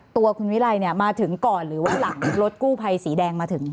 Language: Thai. ตัวคุณวิรัยเนี่ยมาถึงก่อนหรือว่าหลังรถกู้ภัยสีแดงมาถึง